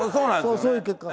そういう結果。